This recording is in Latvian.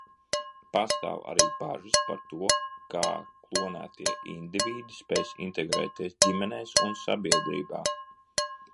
Pastāv arī bažas par to, kā klonētie indivīdi spēs integrēties ģimenēs un sabiedrībā.